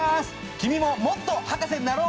君ももっと博士になろう！